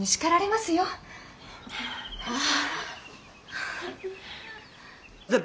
ああ。